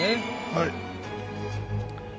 はい。